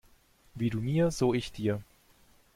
Wie du mir, so ich dir.